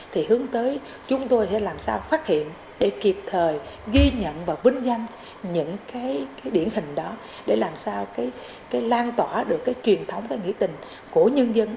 thì hướng tới chúng tôi sẽ làm sao phát hiện để kịp thời ghi nhận và vinh danh những điển hình đó để làm sao lan tỏa được truyền thống nghĩ tình của nhân dân